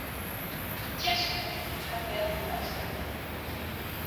Il tire son nom du cratère Hurston.